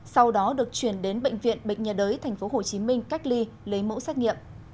sau đó được chuyển đến bệnh viện bệnh nhiệt đới tp hcm cách ly lấy mẫu xét nghiệm